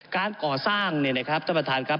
การก่อสร้างท่านประธานครับ